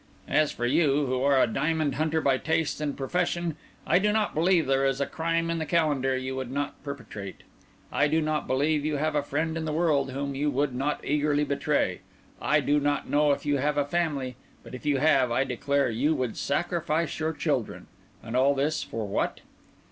As for you, who are a diamond hunter by taste and profession, I do not believe there is a crime in the calendar you would not perpetrate—I do not believe you have a friend in the world whom you would not eagerly betray—I do not know if you have a family, but if you have I declare you would sacrifice your children—and all this for what?